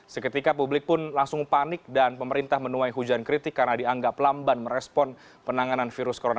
seketika publik pun langsung panik dan pemerintah menuai hujan kritik karena dianggap lamban merespon penanganan virus corona